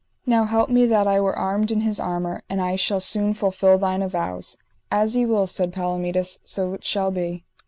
Now help me that I were armed in his armour, and I shall soon fulfil thine avows. As ye will, said Palomides, so it shall be.